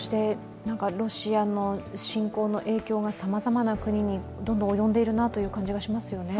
こうしてロシアの侵攻の影響がさまざまな国にどんどん及んでいるという感じがしますよね。